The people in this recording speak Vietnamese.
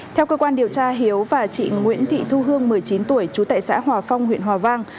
theo cơ quan điều tra hiếu và chị nguyễn thị thu hương một mươi chín tuổi trú tại xã hòa phong huyện hòa vang